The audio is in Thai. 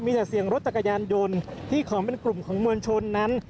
มีแต่เสียงรถจักรยานยนต์ที่ขอเป็นกลุ่มของมวลชนนั้น